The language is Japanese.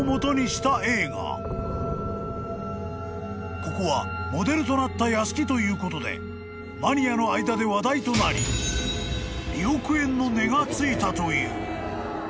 ［ここはモデルとなった屋敷ということでマニアの間で話題となり２億円の値がついたという］